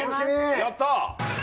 やったー。